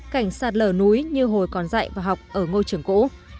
cảnh sạt lở núi như hồi còn dạy và học ở ngôi trường cũ